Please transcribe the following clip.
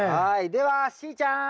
ではしーちゃん！